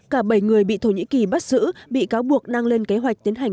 cả bảy người bị thổ nhĩ kỳ bắt giữ bị cáo buộc đang lên kế hoạch tiến hành